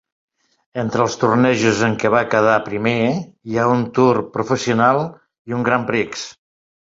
Entre els tornejos en què va quedar primer hi ha un Tour Professional i un Grand Prix.